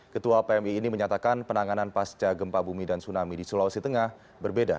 ketua pmi ini menyatakan penanganan pasca gempa bumi dan tsunami di sulawesi tengah berbeda